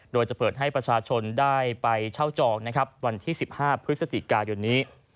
โดยจะเปิดให้ประชาชนได้ไปเช่าจองนะครับวันที่๑๕พฤศจิกายนนี้